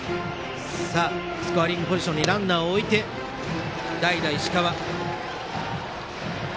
スコアリングポジションにランナーを置いて代打、石川。